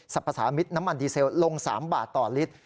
พสามิตรน้ำมันดีเซลลง๓บาทต่อลิตร